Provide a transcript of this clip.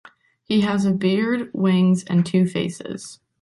He has a beard, wings and two faces.